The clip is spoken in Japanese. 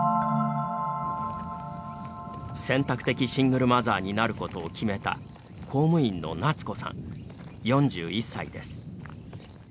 選択的シングルマザーになることを決めた公務員の奈津子さん、４１歳です。